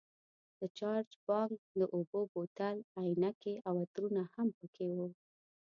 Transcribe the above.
د چارج بانک، د اوبو بوتل، عینکې او عطرونه هم پکې وو.